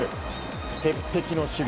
鉄壁の守備